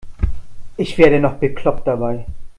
Ich werde noch bekloppt dabei.